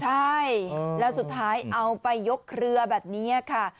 ใช่แล้วสุดท้ายเอาไปยกเครือแบบนี้ค่ะ